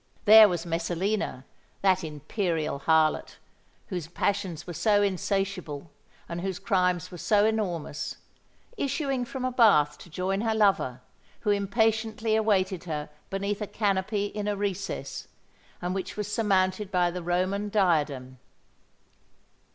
There was Messalina—that imperial harlot, whose passions were so insatiable and whose crimes were so enormous,—issuing from a bath to join her lover, who impatiently awaited her beneath a canopy in a recess, and which was surmounted by the Roman diadem.